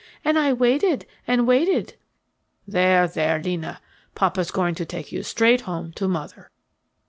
And I waited, and waited " "There, there, 'Lina, papa's going to take you straight home to mother."